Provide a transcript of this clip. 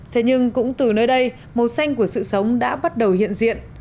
thế nhưng cũng từ nơi đây màu xanh của sự sống đã bắt đầu hiện diện